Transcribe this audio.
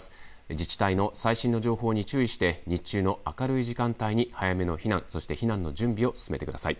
自治体の最新の情報に注意して日中の明るい時間帯に早めの避難、そして避難の準備を進めてください。